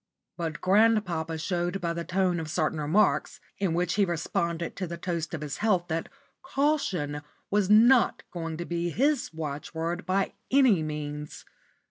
But grandpapa showed by the tone of certain remarks, in which he responded to the toast of his health, that "caution" was not going to be his watchword by any means.